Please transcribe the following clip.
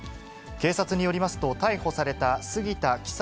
警察によりますと、逮捕された杉田企才